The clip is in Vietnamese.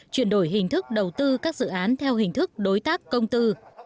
chuyển đổi hình thức đầu tư các dự án theo hình thức đối tác công tư